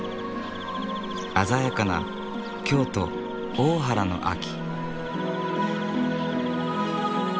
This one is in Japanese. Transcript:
鮮やかな京都・大原の秋。